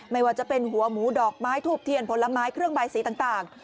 ไม่ว่าจะเป็นหัวหมูดอกไม้ทูบเทียนผลไม้เครื่องใบสีต่าง